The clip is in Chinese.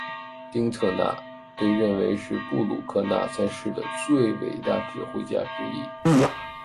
丁特纳被认为是布鲁克纳在世的最伟大指挥家之一。